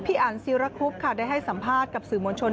อันซีรคุบค่ะได้ให้สัมภาษณ์กับสื่อมวลชน